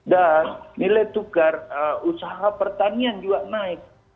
dan nilai tukar usaha pertanian juga naik